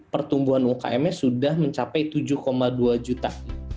pertumbuhan umkm nya sudah mencapai tujuh dua juta